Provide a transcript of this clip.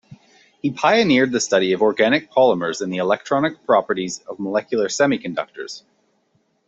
He pioneered the study of organic polymers and the electronic properties of molecular semiconductors.